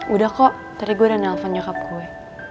udah kok tadi gue udah nelfon nyokap gue